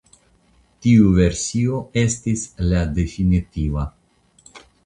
Tiu versio estis la definitiva.